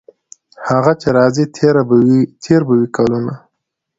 هغه چې راځي تیر به وي کلونه.